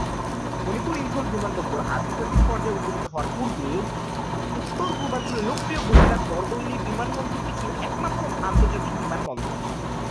মনিপুর ইম্ফল বিমানবন্দর আন্তর্জাতিক পর্যায়ে উপনীত হওয়ার পূর্বে উত্তর পূর্বাঞ্চলে লোকপ্রিয় গোপীনাথ বরদলৈ বিমানবন্দরটি ছিল একমাত্র আন্তর্জাতিক বিমান বন্দর।